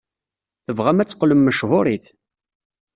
Tebɣam ad teqqlem mechuṛit.